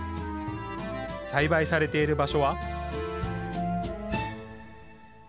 栽培されている場所は。